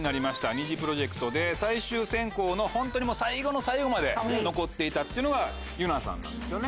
ＮｉｚｉＰｒｏｊｅｃｔで最終選考のホントに最後の最後まで残っていたっていうのがＹＵＮＡさんなんですよね。